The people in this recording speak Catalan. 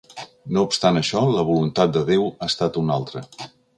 No obstant això, la voluntat de Déu ha estat una altra.